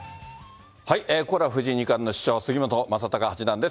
ここからは藤井二冠の師匠、杉本昌隆八段です。